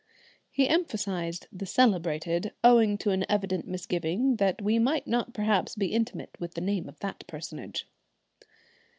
He emphasised the "celebrated" owing to an evident misgiving that we might not perhaps be intimate with the name of that personage.